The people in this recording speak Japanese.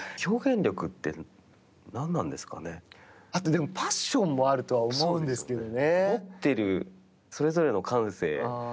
でもパッションもあるとは思うんですけどね。